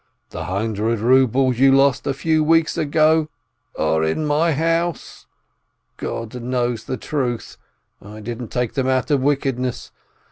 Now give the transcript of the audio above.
"The hundred rubles you lost a few weeks ago are in my house! ... God knows the truth, I didn't take them out of wickedness.